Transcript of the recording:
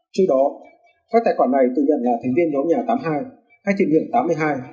trước đó các tài khoản này tự nhận là thành viên nhóm nhà tám mươi hai hay thị niệm tám mươi hai